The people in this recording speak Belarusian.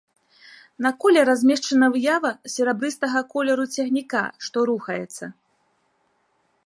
На коле размешчана выява серабрыстага колеру цягніка, што рухаецца.